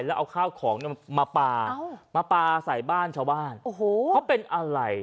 แล้วเอาข้าวของมาปลามาปลาใส่บ้านชาวบ้านโอ้โหเขาเป็นอะไร